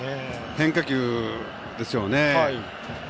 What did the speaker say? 変化球ですよね。